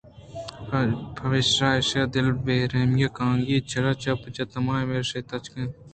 پمیشا ایشاں دل ءِ بے رحمی کانگی ءَ را چُمب جت ءُ ہمائی ءِہمریشاں تاچینت ءُ راہ دات